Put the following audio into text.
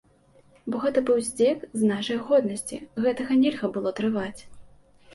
Бо гэта быў здзек з нашай годнасці, гэтага нельга было трываць.